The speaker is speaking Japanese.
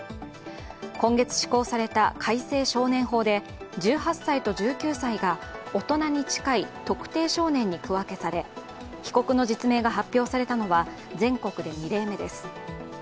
今月施行された改正少年法で１８歳と１９歳が大人に近い特定少年に区分けされ、被告の実名が発表されたのは全国で２例目です。